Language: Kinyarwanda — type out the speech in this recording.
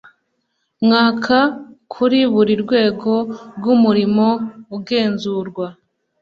mwaka kuri buri rwego rw umurimo ugenzurwa